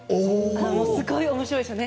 すごい面白いですよね。